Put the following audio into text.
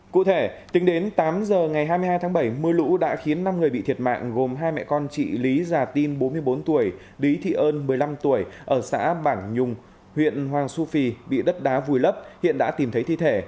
cụ thể tính đến tám giờ ngày hai mươi hai tháng bảy mưa lũ đã khiến năm người bị thiệt mạng gồm hai mẹ con chị lý già tin bốn mươi bốn tuổi lý thị ơn một mươi năm tuổi ở xã bản nhung huyện hoàng su phi bị đất đá vùi lấp hiện đã tìm thấy thi thể